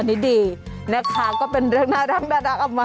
เทียบหน้าให้เห็นชัดเลยว่าเบฟอร์